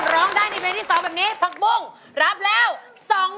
ร้องได้ในเพลงที่๒แบบนี้ผักบุ้งรับแล้ว